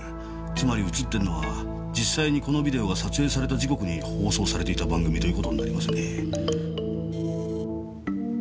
つまり映ってるのは実際にこのビデオが撮影された時刻に放送されていた番組という事になりますね。